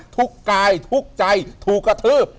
ทุกกายทุกใจถูกกระทืบ